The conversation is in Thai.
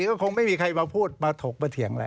ก็คงไม่มีใครมาพูดมาถกมาเถียงอะไร